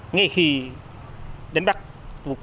ngay khi đánh bắt vụ tưởng diễn biển